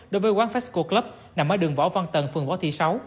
đối với quán fesco club nằm ở đường võ văn tần phường võ thị sáu